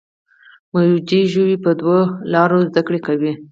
موجوده ژوي په دوو لارو زده کړه کوي.